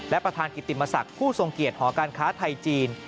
และประธานกิติมศักดิ์ผู้ทรงเกียจหอการค้าไทยจีน